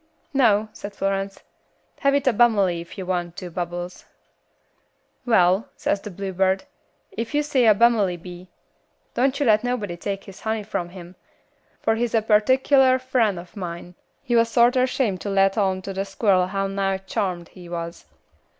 "No," said Florence, "have it a bummely if you want to, Bubbles." "'Well,' says the bluebird, 'ef you see a bummelybee, don't you let nobody take his honey from him, fur he's a pertickeler fren' of mine.' He was sorter shamed to let on to the squirl how nigh chawmed he was.